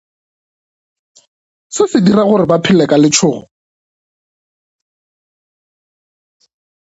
Se se dira gore ba phele ka letšhogo.